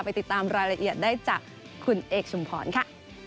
ติดตามรายละเอียดได้จากคุณเอกชุมพรค่ะ